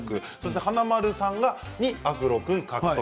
華丸さんが２アフロ君、獲得。